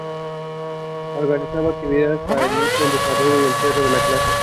Organiza actividades para el inicio, el desarrollo y el cierre de la clase.